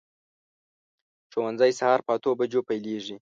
ښوونځی سهار په اتو بجو پیلېږي.